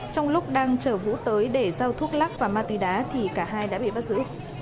trong lúc đang chở vũ tới để giao thuốc lắc và ma túy đá thì cả hai đã bị bắt giữ